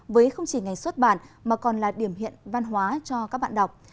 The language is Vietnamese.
với không chỉ ngày xuất bản mà còn là điểm hiện văn hóa cho các bạn đọc